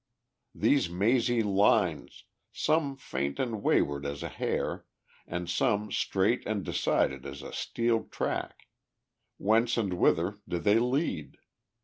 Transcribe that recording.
These mazy lines, some faint and wayward as a hair, and some straight and decided as a steel track whence and whither do they lead?